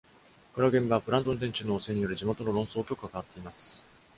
この現場はプラント運転中の汚染による地元の論争と関わっています。